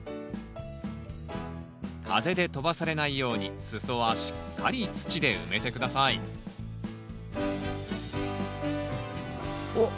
風で飛ばされないように裾はしっかり土で埋めて下さいおっ！